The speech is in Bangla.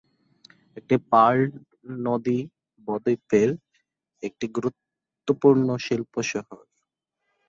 এটি পার্ল নদী ব-দ্বীপের একটি গুরুত্বপূর্ণ শিল্প শহর।